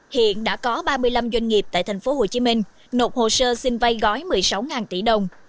hiện đã có ba mươi năm doanh nghiệp tại tp hcm nộp hồ sơ xin vay gói một mươi sáu tỷ đồng